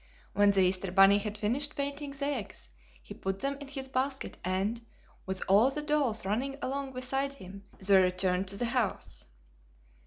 When the Easter bunny had finished painting the eggs he put them in his basket and, with all the dolls running along beside him, they returned to the house.